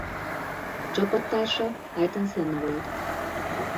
Csapattársa Ayrton Senna volt.